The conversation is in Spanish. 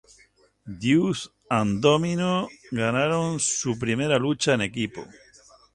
Deuce 'n Domino ganaron su primera lucha en equipo.